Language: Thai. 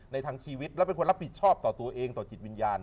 ทางชีวิตและเป็นคนรับผิดชอบต่อตัวเองต่อจิตวิญญาณ